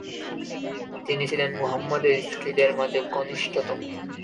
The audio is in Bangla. তিনি ছিলেন মুহাম্মাদের স্ত্রীদের মাঝে কনিষ্ঠতম।